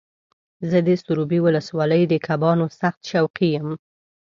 زه د سروبي ولسوالۍ د کبانو سخت شوقي یم.